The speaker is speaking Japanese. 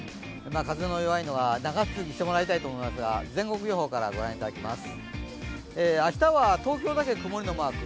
風の弱いのは長続きしてもらいたいと思いますが全国予報からご覧いただきます。